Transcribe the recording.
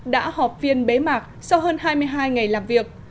đã họp phiên bế mạc sau hơn hai mươi hai ngày làm việc